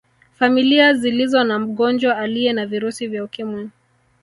Familia zilizo na mgonjwa aliye na virusi vya Ukimwi